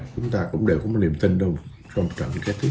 chúng ta cũng đều có một niềm tin trong trận kế tiếp